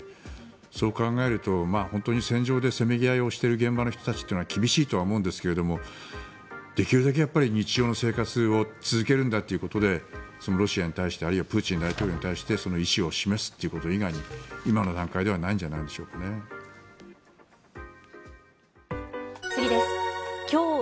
そう考えると、本当に戦場でせめぎ合いをしている現場の人たちというのは厳しいとは思うんですができるだけ日常の生活を続けるんだということでロシアに対してあるいはプーチン大統領に対して意思を示すということ以外に今の段階ではないんじゃないのではないでしょうか。